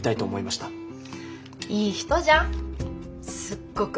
いい人じゃんすっごく。